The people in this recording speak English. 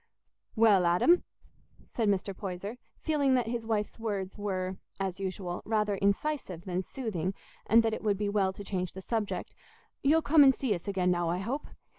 "Well, Adam," said Mr. Poyser, feeling that his wife's words were, as usual, rather incisive than soothing, and that it would be well to change the subject, "you'll come and see us again now, I hope.